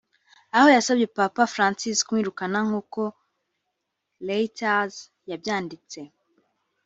aho yasabye Papa Francis kumwirukana nk’uko Reuters yabyanditse